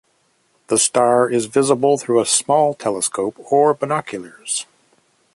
The star is visible through a small telescope or binoculars.